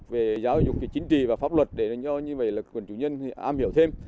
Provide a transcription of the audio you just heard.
về giáo dục chính trị và pháp luật để cho như vậy là quần chủ nhân am hiểu thêm